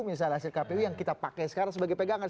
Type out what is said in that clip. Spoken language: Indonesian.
misalnya hasil kpu yang kita pakai sekarang sebagai pegangan